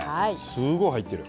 すごい入ってる。